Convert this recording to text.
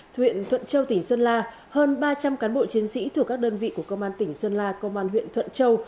huyện thuận châu tỉnh sơn la hơn ba trăm linh cán bộ chiến sĩ thuộc các đơn vị của công an tỉnh sơn la công an huyện thuận châu